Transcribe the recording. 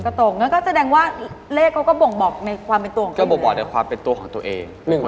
นั่นก็ตรงแล้วก็แสดงว่าเลขเขาก็บ่งบอกในความเป็นตัวของกันเนี่ย